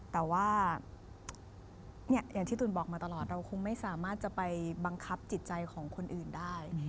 แต่ว่าอย่างที่ตุ๋นบอกมาตลอดเราคงไม่สามารถจะไปบังคับจิตใจของคนอื่นได้